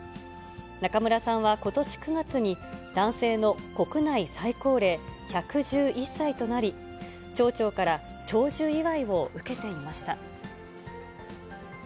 中村さんはことし９月に、男性の国内最高齢、１１１歳となり、町長から長寿祝いを受けていました。